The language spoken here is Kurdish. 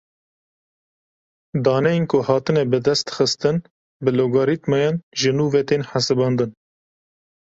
Daneyên ku hatine bidestxistin bi logarîtmayan ji nû ve tên hesibandin.